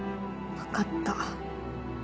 分かった。